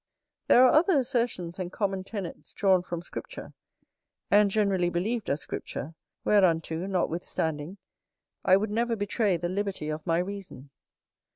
There are other assertions and common tenets drawn from Scripture, and generally believed as Scripture, whereunto, notwithstanding, I would never betray the liberty of my reason.